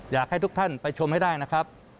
อยากให้ทุกท่านไปชมให้ได้นะครับ